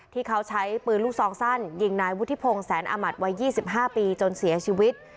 ที่เขาใช้ปืนลูกซองสั้นยิงนายวุฒิพงศ์แสนอมัติวัย๒๕ปีจนเสียชีวิต